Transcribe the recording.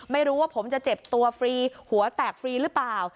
ไม่รู้ว่าผมจะเจ็บตัวฟรีหัวแตกฟรีหรือเปล่า